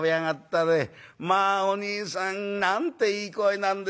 『まあおにいさんなんていい声なんでしょう。